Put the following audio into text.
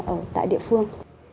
ở tại địa phương